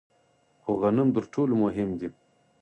خو غنم تر ټولو مهم دي.